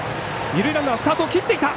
二塁ランナースタートを切っていた！